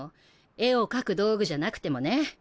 絵を描く道具じゃなくてもね。